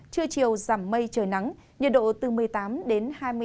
trưa chiều giảm mây trời nắng nhiệt độ từ một mươi tám đến hai mươi tám độ